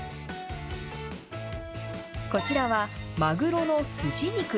こちらは、マグロのスジ肉。